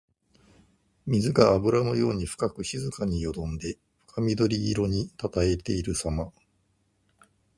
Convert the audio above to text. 水があぶらのように深く静かによどんで深緑色にたたえているさま。